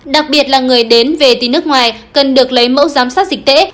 đặc biệt là người đến về từ nước ngoài cần được lấy mẫu giám sát dịch tễ